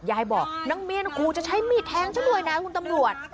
ยายบอกนางเมียนกูจะใช้มีดแทงฉันด้วยนะคุณตำรวจ